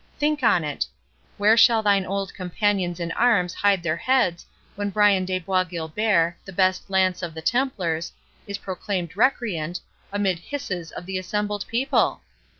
—Think on it. Where shall thine old companions in arms hide their heads when Brian de Bois Guilbert, the best lance of the Templars, is proclaimed recreant, amid the hisses of the assembled people?